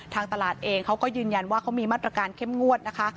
ทางตลาดเองเขาก็ยืนยันว่าเขามีมาตรการเข้มงวดนะคะ